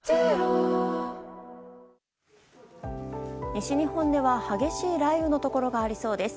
西日本では激しい雷雨のところがありそうです。